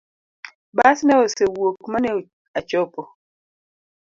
Bas ne osewuok mane achopo